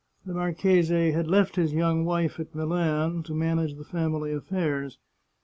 The marchese had left his young wife at Milan to man age the family affairs.